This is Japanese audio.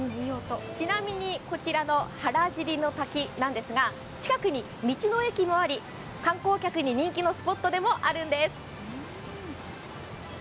ちなみに、こちらの原尻の滝なんですが、近くに道の駅もあり観光客に人気のスポットでもあるんです。